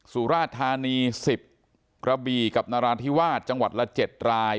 สุราธานี๑๐กระบีกับนราธิวาสจังหวัดละ๗ราย